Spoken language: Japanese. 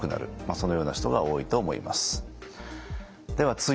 そのような人が多いと思います。